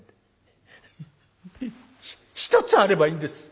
「一つあればいいんです！